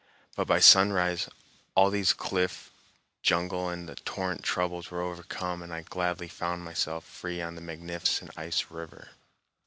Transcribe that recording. But by sunrise all these cliff, jungle, and torrent troubles were overcome and I gladly found myself free on the magnificent ice river.